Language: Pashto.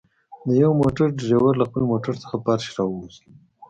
د يوه موټر ډريور له خپل موټر څخه فرش راوويست.